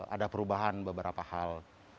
ada perubahan beberapa hal